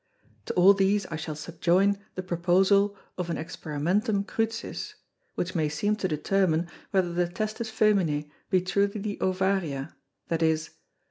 To all these I shall subjoin the Proposal of an Experimentum Crucis, which may seem to determine, whether the Testes Fœmineæ be truly the Ovaria, _viz.